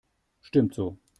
Stimmt so.